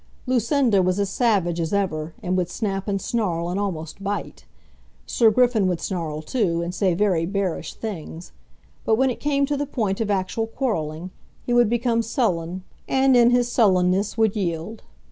Lucinda was as savage as ever, and would snap and snarl, and almost bite. Sir Griffin would snarl too, and say very bearish things. But when it came to the point of actual quarrelling, he would become sullen, and in his sullenness would yield.